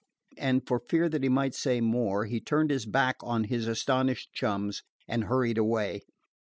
And, for fear that he might say more, he turned his back on his astonished chums and hurried away.